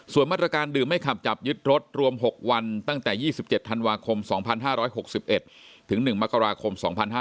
ส่วนมาตรการดื่มไม่ขับจับยึดรถรวม๖วันตั้งแต่๒๗ธันวาคม๒๕๖๑ถึง๑มกราคม๒๕๕๙